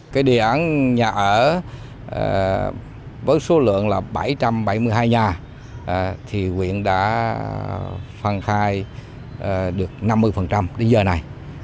cái đề án nhà ở với số lượng là bảy trăm bảy mươi hai nhà thì quyện đã phân khai được năm mươi đến giờ này